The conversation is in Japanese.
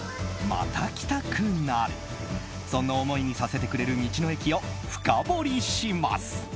また来たくなるそんな思いにさせてくれる道の駅を深掘りします。